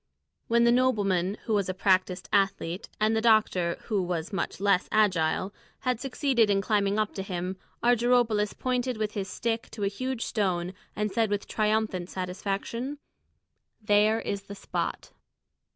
When the nobleman, who was a practised athlete, and the doctor, who was much less agile, had succeeded in climbing up to him, Argyropoulos pointed with his stick to a huge stone and said with triumphant satisfaction, "There is the spot!"